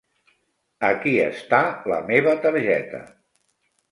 Aquí està la meva targeta.